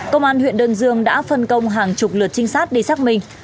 công an huyện đơn dương đã phân công hàng chục lượt trinh sát đi xác minh